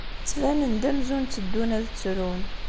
Ttbanen-d amzun tteddun ad ttrun.